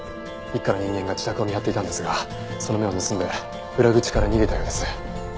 一課の人間が自宅を見張っていたんですがその目を盗んで裏口から逃げたようです。